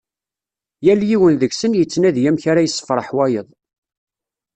Yal yiwen deg-sen yettnadi amek ara yessefreḥ wayeḍ.